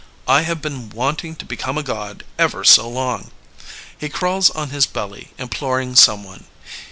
I have been wanting to become a God ever so long." He crawls on his belly imploring Someone.